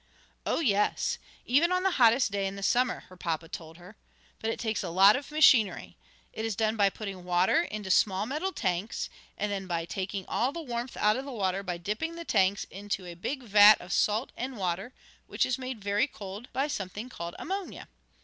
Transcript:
"Oh, yes, even on the hottest day in summer," her papa told her. "But it takes a lot of machinery. It is done by putting water into small metal tanks, and then by taking all the warmth out of the water by dipping the tanks into a big vat of salt and water which is made very cold by something called ammonia.